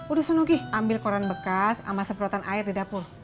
udah sonoki ambil koran bekas sama semprotan air di dapur